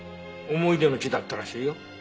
思い出の地だったらしいよ。